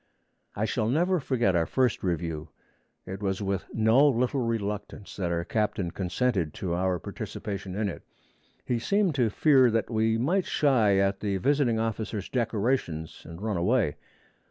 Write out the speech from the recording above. I shall never forget our first review. It was with no little reluctance that our captain consented to our participation in it. He seemed to fear that we might shy at the visiting officers' decorations, and run away.